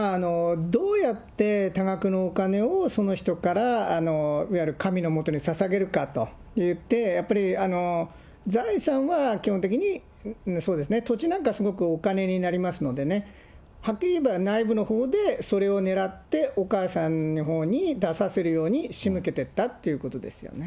どうやって多額のお金をその人から、いわゆる神の下にささげるかといって、やっぱり財産は基本的に、土地なんかすごくお金になりますのでね、はっきりいえば内部のほうでそれを狙って、お母さんのほうに出させるように仕向けていったということですよ